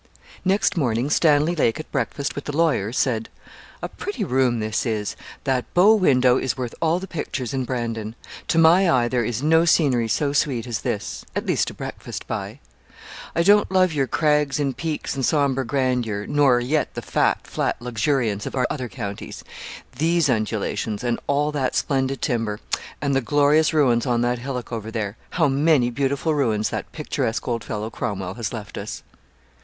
Next morning Stanley Lake, at breakfast with the lawyer, said 'A pretty room this is. That bow window is worth all the pictures in Brandon. To my eye there is no scenery so sweet as this, at least to breakfast by. I don't love your crags and peaks and sombre grandeur, nor yet the fat, flat luxuriance of our other counties. These undulations, and all that splendid timber, and the glorious ruins on that hillock over there! How many beautiful ruins that picturesque old fellow Cromwell has left us.'